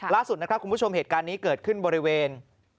ล่าสุดนะครับคุณผู้ชมเหตุการณ์นี้เกิดขึ้นบริเวณ